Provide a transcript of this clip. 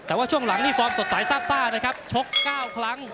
แต่ว่าช่วงหลังนี่ฟอร์มสดใสซาบซ่านะครับชก๙ครั้ง